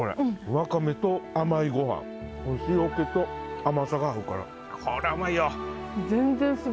ワカメと甘いごはん塩気と甘さが合うからこりゃうまいよ。